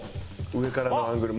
上からのアングル。